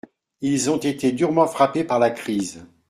Ils ont été durement frappés par la crise.